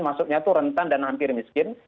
masuknya itu rentan dan hampir miskin